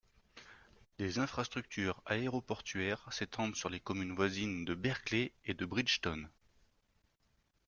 Les infrastructures aéroportuaires s'étendent sur les communes voisines de Berkeley et de Bridgeton.